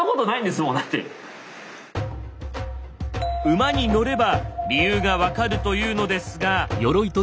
馬に乗れば理由が分かるというのですが。